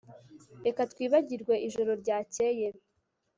Reka twibagirwe ijoro ryakeye